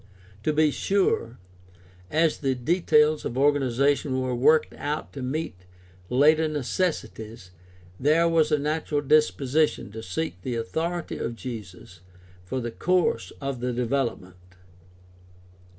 To be sure, as the details of organization were worked out to meet Jater necessities there was a natural disposition to seek the authority of Jesus for the course of the development.